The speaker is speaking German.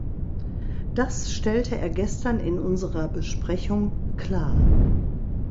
Das stellte er gestern in unserer Besprechung klar.